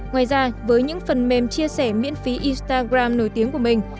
ngoài ra với những phần mềm chia sẻ miễn phí instagram nổi tiếng của mình